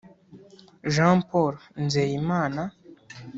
Jean Paul Nzeyimana